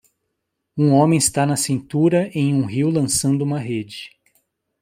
Um homem está na cintura em um rio lançando uma rede.